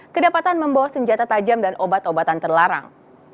kedapatan membawa senjata tajam dan obat obatan terlarang